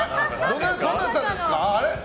どなたですか？